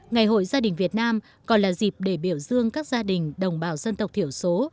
ngày hội gia đình việt nam còn là dịp để biểu dương các gia đình đồng bào dân tộc thiểu số